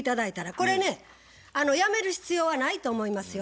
これねやめる必要はないと思いますよ。